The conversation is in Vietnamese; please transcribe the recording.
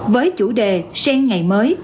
với chủ đề sen ngày mới